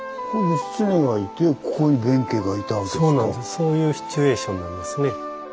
そうなんですそういうシチュエーションなんですね。